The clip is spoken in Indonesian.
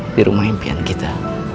di rumah impian kita